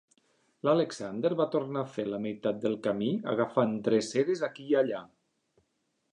L'Alexander va tornar a fer la meitat del camí agafant dreceres aquí i allà.